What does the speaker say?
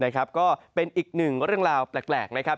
ก็เป็นอีกหนึ่งเรื่องราวแปลกนะครับ